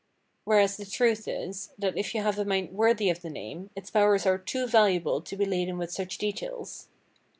Whereas the truth is, that if you have a mind worthy of the name, its powers are too valuable to be laden with such details.